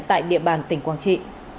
tại địa bàn tỉnh quảng trị